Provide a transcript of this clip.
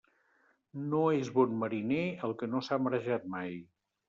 No és bon mariner el que no s'ha marejat mai.